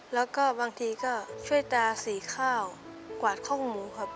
แล้วก็บางทีก็ช่วยตาสีข้าวกวาดข้องหมูครับ